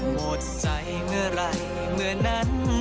หมดใจเมื่อไหร่เมื่อนั้น